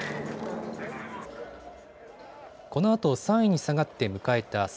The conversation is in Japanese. このあと３位に下がって迎えた